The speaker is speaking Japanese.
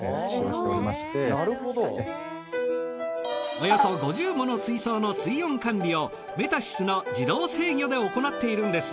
およそ５０もの水槽の水温管理をＭｅｔａｓｙｓの自動制御で行っているんです。